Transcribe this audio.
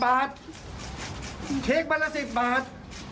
๑๐บาทเทคแต่ตัวเป็น๑๐บาท